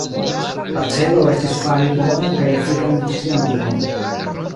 La celo estis fari bonan kaj efikan industrian urbon.